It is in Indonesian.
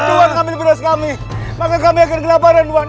kalau tuhan ambil beras kami maka kami akan kelaparan tuhan